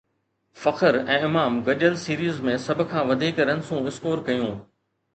فخر ۽ امام گڏيل سيريز ۾ سڀ کان وڌيڪ رنسون اسڪور ڪيون